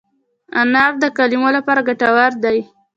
انار د کولمو لپاره ګټور دی.